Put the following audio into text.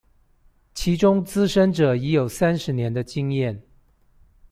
其中資深者已有三十年的經驗